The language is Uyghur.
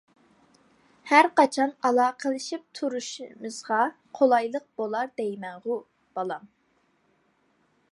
ھەرقاچان ئالاقىلىشىپ تۇرۇشىمىزغا قولايلىق بولار دەيمەنغۇ، بالام.